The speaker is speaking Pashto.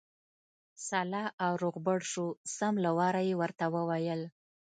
سلا او روغبړ شو، سم له واره یې ورته وویل.